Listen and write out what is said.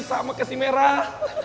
sama kesi merah